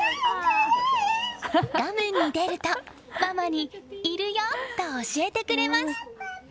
画面に出ると、ママにいるよ！と教えてくれます。